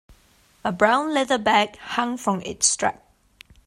A brown leather bag hung from its strap.